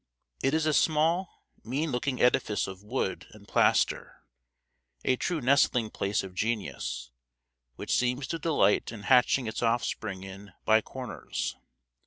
It is a small mean looking edifice of wood and plaster, a true nestling place of genius, which seems to delight in hatching its offspring in by corners.